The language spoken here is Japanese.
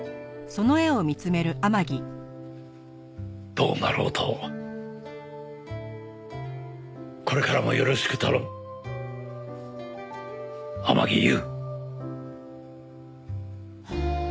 どうなろうとこれからもよろしく頼む天樹悠。